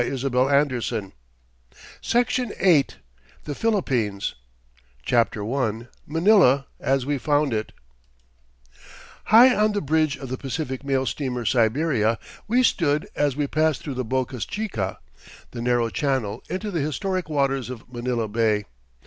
[Illustration: PHILIPPINE ISLANDS] THE PHILIPPINES CHAPTER I MANILA AS WE FOUND IT High on the bridge of the Pacific Mail Steamer Siberia we stood as we passed through the Boca Chica the narrow channel into the historic waters of Manila Bay.